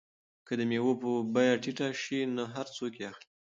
که د مېوو بیه ټیټه شي نو هر څوک یې اخلي.